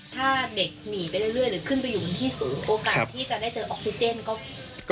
ถ้าเด็กหนีไปเรื่อยหรือขึ้นไปอยู่บนที่สูงโอกาสที่จะได้เจอออกซิเจนก็